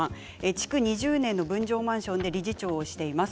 築２０年の分譲マンションで理事長をしています。